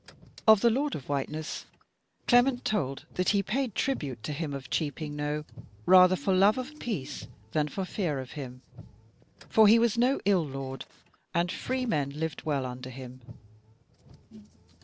Of the lord of Whiteness, Clement told that he paid tribute to him of Cheaping Knowe, rather for love of peace than for fear of him; for he was no ill lord, and free men lived well under him.